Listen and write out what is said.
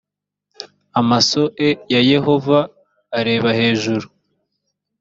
amasoe ya yehova areba hejuru